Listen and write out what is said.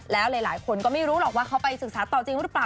แล้วหลายคนก็ไม่รู้หรอกว่าเขาไปศึกษาต่อจริงหรือเปล่า